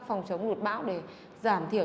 phòng chống lột bão để giảm thiểu